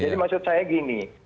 jadi maksud saya gini